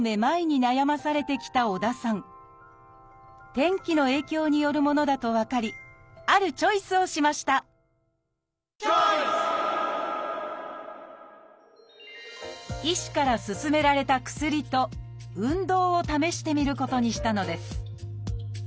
天気の影響によるものだと分かりあるチョイスをしました医師から勧められた薬と運動を試してみることにしたのです。